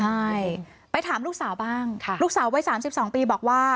ใช่ไปถามลูกสาวบ้างค่ะลูกสาวไว้สามสิบสองปีบอกว่า